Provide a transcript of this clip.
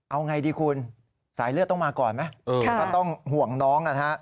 เอาไงดีคุณสายเลือดต้องมาก่อนไหมก็ต้องห่วงน้องนะฮะ